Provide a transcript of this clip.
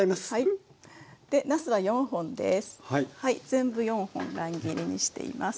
全部４本乱切りにしています。